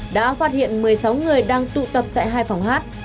đã phát hiện một mươi sáu người đang tụ tập tại hai phòng hát